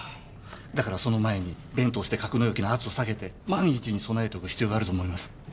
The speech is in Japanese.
だからその前にベントをして格納容器の圧を下げて万一に備えておく必要があると思います。